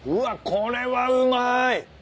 これはうまい。